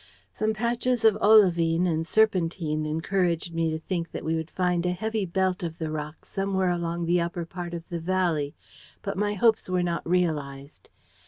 Some patches of olivine and serpentine encouraged me to think that we should find a heavy belt of the rock somewhere along the upper part of the valley, but my hopes were not realized.